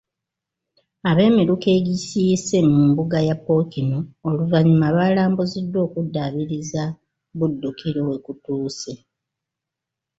Ab'Emiruka egikiise mu mbuga ya Ppookino oluvannyuma balambuziddwa okuddaabiriza Buddukiro we kutuuse.